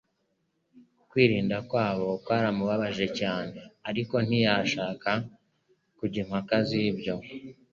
Kwikunda kwabo kwaramubabaje cyane, ariko ntiyashaka kujya impaka z'ibyo